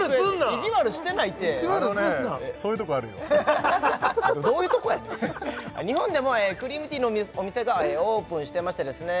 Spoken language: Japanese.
いじわるすんなそういうとこあるよどういうとこやねん日本でもクリームティーのお店がオープンしてましてですね